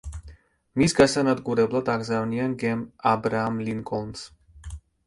მის გასანადგურებლად აგზავნიან გემ „აბრაამ ლინკოლნს“.